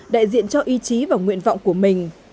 đại diện cho ý chí và nguyện vọng của mình